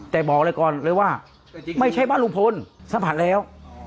แต่บอกเลยก่อนเลยว่าไม่ใช่บ้านลุงพลสัมผัสแล้ว